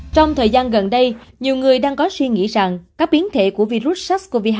trong thời gian gần đây nhiều người đang có suy nghĩ rằng các biến thể của virus sars cov hai